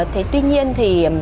thế tuy nhiên thì